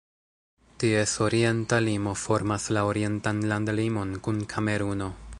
Ties orienta limo formas la orientan landlimon kun Kameruno.